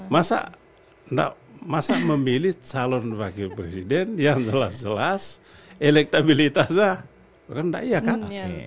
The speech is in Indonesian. masa enggak masa memilih calon wakil presiden yang jelas jelas elektabilitasnya rendah ya kan